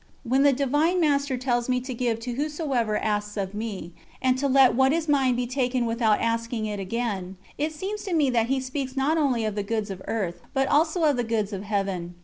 When the Divine Master tells me to give to whosoever asks of me, and to let what is mine be taken without asking it again, it seems to me that He speaks not only of the goods of earth, but also of the goods of Heaven.